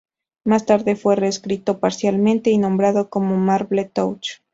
Más tarde fue reescrito parcialmente y renombrado como "Marble Touch".